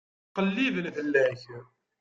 Ttqelliben fell-ak.